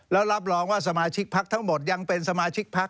แล้วรับรองว่าสมาชิกพักทั้งหมดยังเป็นสมาชิกพัก